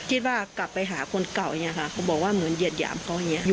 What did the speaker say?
คิดว่ากลับไปหาคนเก่าอย่างนี้ค่ะเขาบอกว่าเหมือนเหยียดหยามเขาอย่างนี้